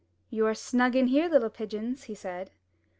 *'You are snug in here, little pigeons,*' he said.